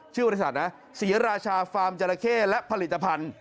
ชื่อริสัตว์นะเสียราชาฟาร์มจระเค่และผลิตภัณฑ์